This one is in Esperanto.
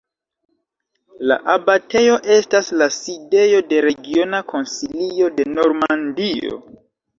La abatejo estas la sidejo de Regiona Konsilio de Normandio.